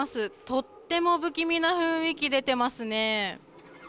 とっても不気味な雰囲気出てますね。